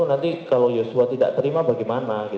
nanti kalau yosua tidak terima bagaimana